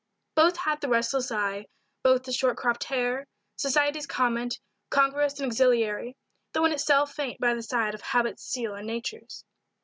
Both had the restless eye, both the short cropped hair, society's comment, congruous and auxiliary, though in itself faint by the side of habit's seal and Nature's.